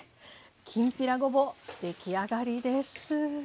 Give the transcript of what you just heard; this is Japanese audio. きんぴらごぼう出来上がりです。